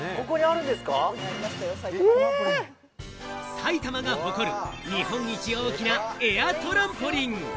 埼玉が誇る日本一大きな、エアトランポリン！